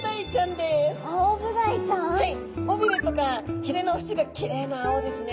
尾鰭とか鰭の縁がきれいな青ですね。